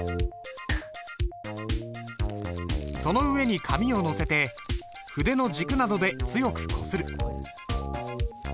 その上に紙を載せて筆の軸などで強くこする。